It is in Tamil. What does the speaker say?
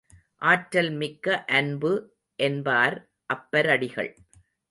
ஆற்றல் மிக்க அன்பு என்பார் அப்பரடிகள்.